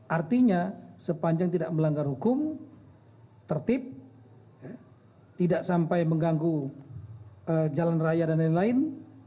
artinya sepanjang tidak melanggar hukum tertib tidak sampai mengganggu jalan raya dan lain lain